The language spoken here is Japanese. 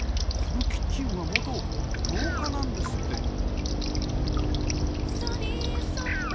このキッチンは元廊下なんですって